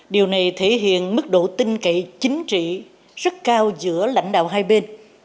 điều này thể hiện mức độ tin cậy chính trị rất cao giữa lãnh đạo hai bên